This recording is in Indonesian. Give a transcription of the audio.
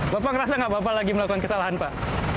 bapak merasa nggak bapak lagi melakukan kesalahan pak